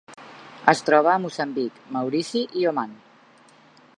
Es troba a Moçambic, Maurici i Oman.